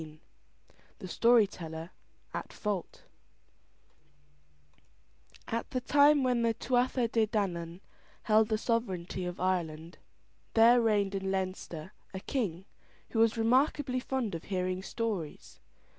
THE STORY TELLER AT FAULT At the time when the Tuatha De Dannan held the sovereignty of Ireland, there reigned in Leinster a king, who was remarkably fond of hearing stories.